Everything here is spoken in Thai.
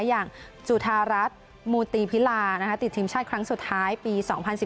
อย่างจุธารัฐมูตีพิลาติดทีมชาติครั้งสุดท้ายปี๒๐๑๘